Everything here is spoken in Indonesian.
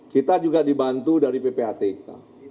kita juga dibantu dari ppatk